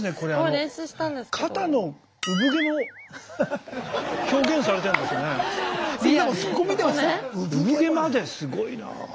うぶ毛まですごいな。